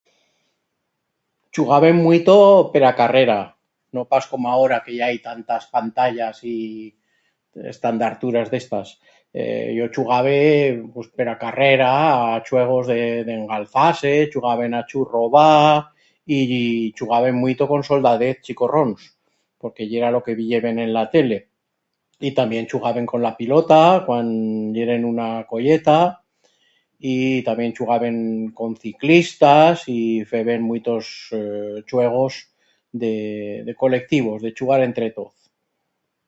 Chugaben muito per a carrera, no pas como agora que i hai tantas pantallas y estandarturas d'estas. Ee yo chugabe pues per a carrera a chuegos d'engalzar-se chugaben a churro va, y chugaben muito con soldadez chicorrons, porque yera lo que viyeben en la tele. Y tamién chugaben con la pilota cuan yeren una colleta y tamién chugaben con ciclistas y feben muitos chuegos de... de... colectivos, de chugar entre toz.